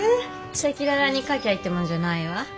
赤裸々に書きゃいいってもんじゃないわ。